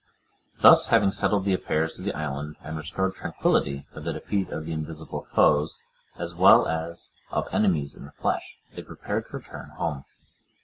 Thus, having settled the affairs of the island, and restored tranquillity by the defeat of the invisible foes, as well as of enemies in the flesh, they prepared to return home.